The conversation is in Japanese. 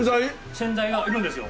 先代がいるんですよ。